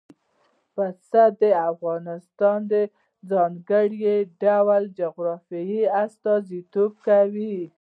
پسه د افغانستان د ځانګړي ډول جغرافیه استازیتوب کوي.